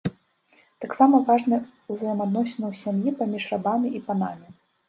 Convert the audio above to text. Таксама важны ўзаемаадносіны ў сям'і, паміж рабамі і панамі.